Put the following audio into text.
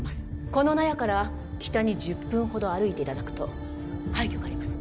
この納屋から北に１０分ほど歩いていただくと廃虚があります